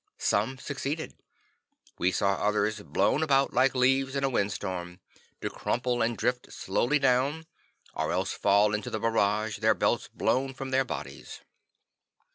Some succeeded. We saw others blown about like leaves in a windstorm, to crumple and drift slowly down, or else to fall into the barrage, their belts blown from their bodies.